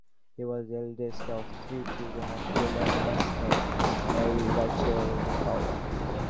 He was the eldest of three children of William Mesny and Mary Rachel Nicolle.